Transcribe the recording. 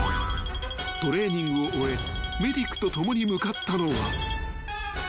［トレーニングを終えメディックと共に向かったのは］